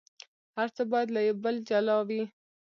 هر څه باید له یو بل جلا وي.